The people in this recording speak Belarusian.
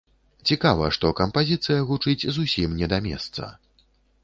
Цікава, што кампазіцыя гучыць зусім не да месца.